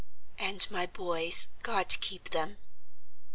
"And my boys, God keep them!"